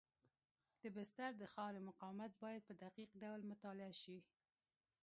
د بستر د خاورې مقاومت باید په دقیق ډول مطالعه شي